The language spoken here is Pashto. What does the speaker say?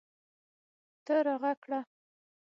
ته راږغ کړه !